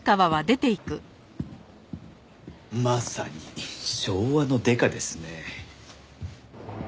まさに昭和のデカですね。